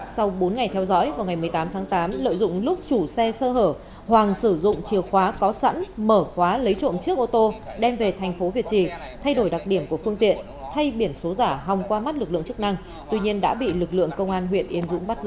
sau bốn ngày theo dõi vào ngày một mươi tám tháng tám lợi dụng lúc chủ xe sơ hở hoàng sử dụng chìa khóa có sẵn mở khóa lấy trộm chiếc ô tô đem về thành phố việt trì thay đổi đặc điểm của phương tiện thay biển số giả hòng qua mắt lực lượng chức năng tuy nhiên đã bị lực lượng công an huyện yên dũng bắt giữ